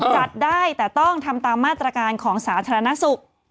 จัดได้แต่ต้องทำตามมาตรการของสาธารณสุข